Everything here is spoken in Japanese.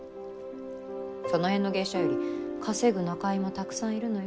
その辺の芸者より稼ぐ仲居もたくさんいるのよ。